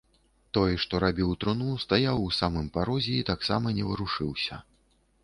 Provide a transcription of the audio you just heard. Той, што рабіў труну, стаяў у самым парозе і таксама не варушыўся.